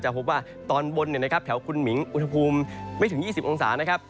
พบว่าตอนบนแถวคุณหมิงอุณหภูมิไม่ถึง๒๐องศานะครับ